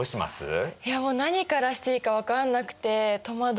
いやもう何からしていいか分かんなくて戸惑うよね。